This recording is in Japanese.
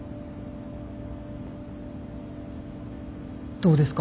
どうですか？